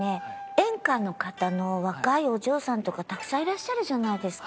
演歌の方の若いお嬢さんとかたくさんいらっしゃるじゃないですか。